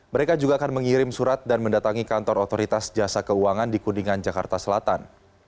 mereka juga akan mengirim surat dan mendatangi kantor otoritas jasa keuangan di kuningan jakarta selatan